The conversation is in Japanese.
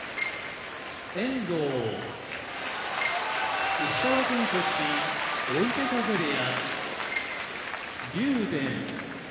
遠藤石川県出身追手風部屋竜電